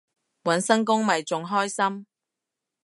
搵新工咪仲開心